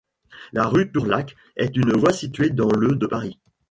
La rue Tourlaque est une voie située dans le de Paris.